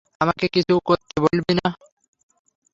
আমাকে কিছু করতে বলবি না!